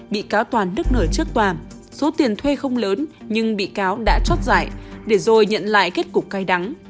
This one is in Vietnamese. bị cáo toàn đức nở trước tòa số tiền thuê không lớn nhưng bị cáo đã chót giải để rồi nhận lại kết cục cay đắng